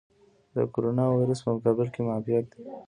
د کوروناویرس په مقابل کې معافیت.